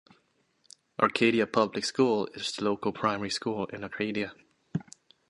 Arcadia Public School is the local primary school in Arcadia.